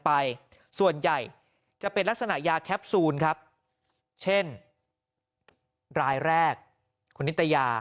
ส่วนใหญ่จะเป็นลักษณะยาแคปซูลครับเช่นรายแรกคุณนิตยา